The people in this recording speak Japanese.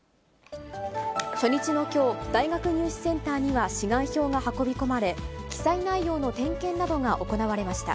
初日のきょう、大学入試センターには志願票が運び込まれ、記載内容の点検などが行われました。